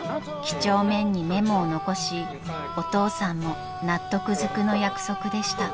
［きちょうめんにメモを残しお父さんも納得ずくの約束でした］